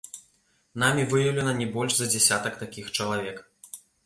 Намі выяўлена не больш за дзясятак такіх чалавек.